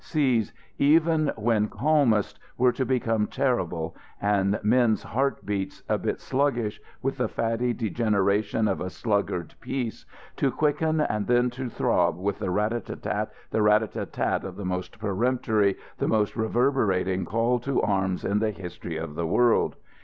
Seas, even when calmest, were to become terrible, and men's heart beats, a bit sluggish with the fatty degeneration of a sluggard peace, to quicken and then to throb with the rat a tat tat, the rat a tat tat of the most peremptory, the most reverberating call to arms in the history of the world.